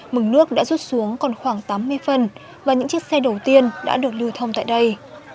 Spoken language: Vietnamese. mực nước đã rút xuống còn khoảng tám mươi phần và những chiếc xe đầu tiên đã được lưu thông tại đây